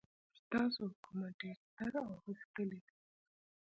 ستاسو حکومت ډېر ستر او غښتلی دی.